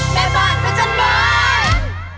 ทานเขาอ๋ออย่างนี้ตรงนี้จริง